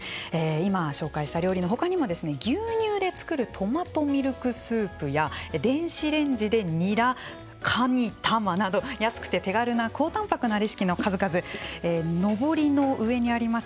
今、紹介した料理の他にも「牛乳で作るトマトミルクスープ」や「電子レンジでにらかに玉」など安くて手軽な高たんぱくなレシピの数々のぼりの上にあります